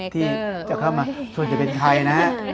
ที่จะเข้ามาช่วยจะเป็นใครนะฮะ